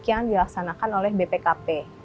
yang dilaksanakan oleh bpkp